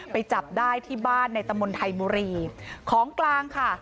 ไปจับได้ที่บ้านในตำบลไทยบุรีของกลางค่ะ